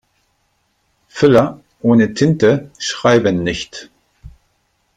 Füller ohne Tinte schreiben nicht.